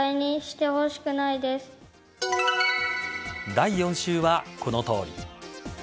第４週は、このとおり。